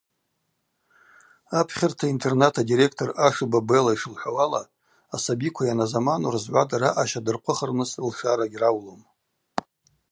Апхьарта-интернат адиректор Ашуба Белла йшылхӏвауала, асабиква йаназаману рзгӏвадара аъаща дырхъвыхырныс лшара гьраулум.